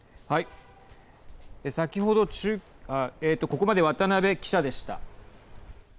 ここまで渡辺記者でした。